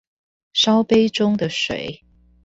燒杯中的水